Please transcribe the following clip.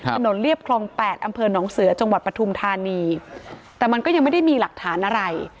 ถนนเรียบคลอง๘อำเภอนเสือจปฐุมธานีแต่มันก็ยังไม่ได้มีหลักฐานอะไร